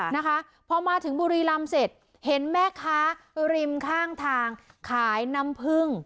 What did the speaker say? นะคะพอมาถึงบุรีรำเสร็จเห็นแม่ค้าริมข้างทางขายน้ำผึ้ง